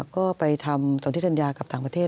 ก็ไปทำตอนที่สัญญากับต่างประเทศ